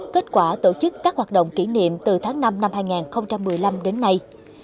kết quả tổ chức các hoạt động kỷ niệm từ tháng năm năm hai nghìn một mươi năm đến nay